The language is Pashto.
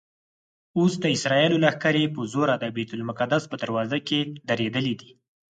اوس د اسرائیلو لښکرې په زوره د بیت المقدس په دروازو کې درېدلي دي.